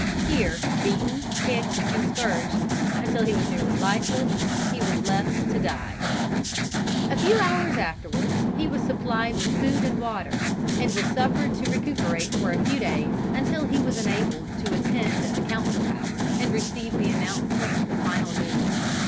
Here beaten, kicked and scourged, until he was nearly lifeless, he was left to die."[B] [Footnote B: Macdonald's Sketches.] A few hours afterwards he was supplied with food and water, and was suffered to recuperate for a few days, until he was enabled to attend at the council house, and receive the announcement of his final doom.